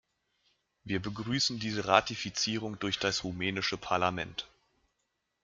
Wir begrüßen diese Ratifizierung durch das rumänische Parlament.